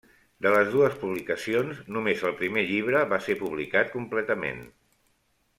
De les dues publicacions, només el primer llibre va ser publicat completament.